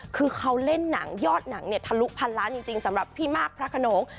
คือเขาเล่นหนังยอดหนังเนี่ยทะลุพันล้านจริงสำหรับพี่มากพระขนง